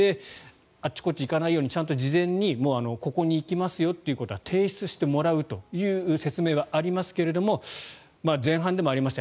あっちこっち行かないようにちゃんと事前にここに行きますよということは提出してもらうという説明はありますが前半でもありました